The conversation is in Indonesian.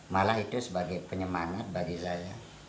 malah itu sebagai penyemangat bagi saya